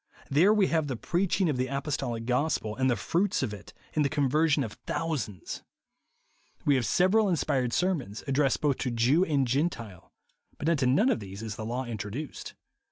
There we have the preaching of the apostolic gospel and the fruits of it, in the conversion of thousands. INSENSIBILITY. 161 We have several inspired sermons, ad dressed both to Jew and Gentile ; but into none of these is the law introduced.